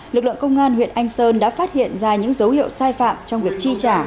lực lượng công an huyện anh sơn đã phát hiện ra những dấu hiệu sai phạm trong việc chi trả